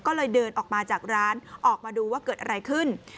ก็เลยเดินออกมาจากร้านออกมาดูว่าเกิดอะไรขึ้น